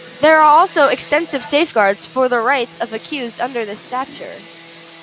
There are also extensive safeguards for the rights of accused under this statute.